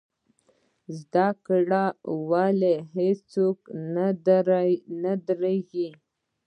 زده کړه ولې هیڅکله نه دریږي؟